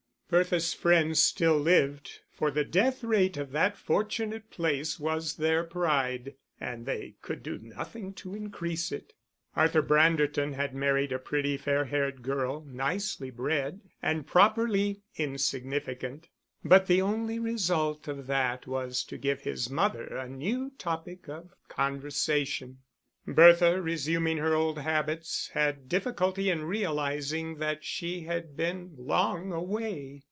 Bertha's friends still lived, for the death rate of that fortunate place was their pride, and they could do nothing to increase it. Arthur Branderton had married a pretty, fair haired girl, nicely bred, and properly insignificant; but the only result of that was to give his mother a new topic of conversation. Bertha, resuming her old habits, had difficulty in realising that she had been long away.